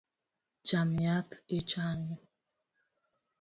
Cham yath ichangi.